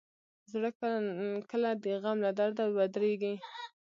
زړه کله کله د غم له درده ودریږي.